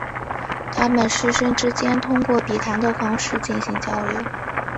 他们师生之间通过笔谈的方式进行交流。